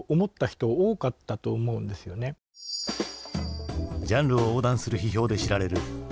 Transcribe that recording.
ジャンルを横断する批評で知られる佐々木敦。